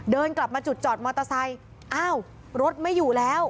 เดินกลับมาจุดจอดมอเตอร์ไซค์อ้าวรถไม่อยู่แล้ว